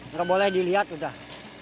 nggak boleh dilihat udah